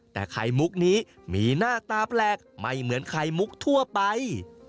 แต่ไข่มุกนี้มีหน้าตาแปลกไม่เหมือนไข่มุกทั่วไป